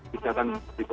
tidak akan begitu